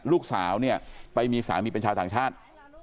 ลูกสาวเนี่ยไปมีสามีเป็นชาวต่างชาติ